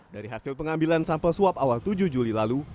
dari hasil pengambilan sampel swap awal tujuh juli lalu